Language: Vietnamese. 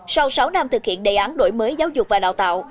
sau sáu năm thực hiện đề án đổi mới giáo dục và đào tạo